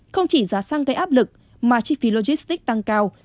không chỉ giá sang cây áp lực mà chi phí logistic tăng cao